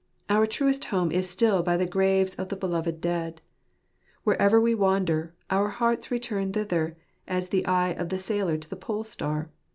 Our truest home is still by the graves of the beloved dead. Wherever we wander, our hearts return thither, as the eye of the sailor to the Pole star.